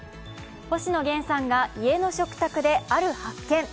星野源さんが家の食卓である発見。